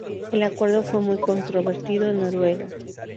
El acuerdo fue muy controvertido en Noruega.